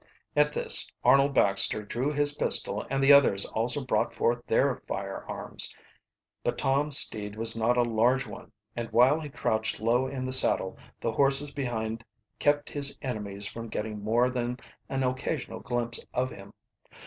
At this Arnold Baxter drew his pistol and the others also brought forth their firearms. But Tom's steed was not a large one, and while he crouched low in the saddle the horses behind kept his enemies from getting more than an occasional glimpse of him.